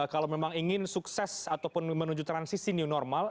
kalau memang ingin sukses ataupun menuju transisi new normal